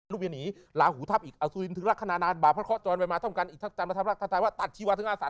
ลูกเวียนีลาหูทัพอีกอสุรินทรึงรักขนานาศบาปพระข้อจรรย์ไปมาท่องกันอีกทั้งจำทัพรักทัพรักทันทายว่าตัดชีวสึงอาสัน